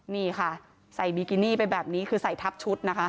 นี่ค่ะใส่บิกินี่ไปแบบนี้คือใส่ทับชุดนะคะ